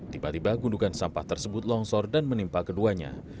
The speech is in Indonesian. tiba tiba gundukan sampah tersebut longsor dan menimpa keduanya